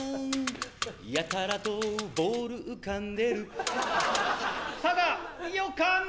やたらとボール浮かんでる佐賀よかね！